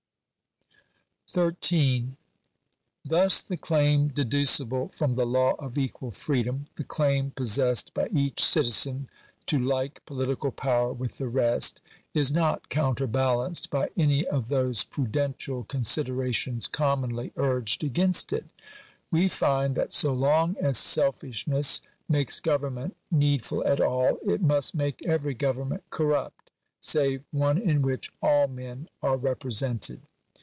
§ 13. I Thus the claim deducible from the law of equal freedom — the claim possessed by each citizen to like political power with the rest — is not counterbalanced by any of those prudential con siderations commonly urged against it. We find that so long as selfishness makes government needful at all, it must make every government corrupt, save one in which all men are repre sented.